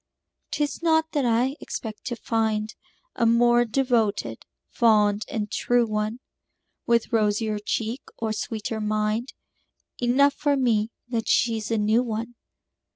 'Tis not that I expect to find A more devoted, fond and true one, With rosier cheek or sweeter mind Enough for me that she's a new one.